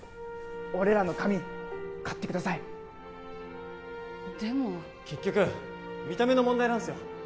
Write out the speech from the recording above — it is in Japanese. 俺らの髪刈ってくださいでも結局見た目の問題なんすよ